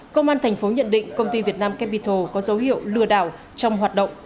công an thành phố nhận định công ty việt nam capital có dấu hiệu lừa đảo trong hoạt động